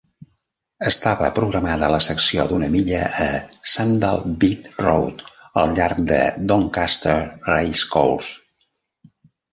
Estava programada la secció d'una milla a Sandall Beat Road al llarg de Doncaster Racecourse.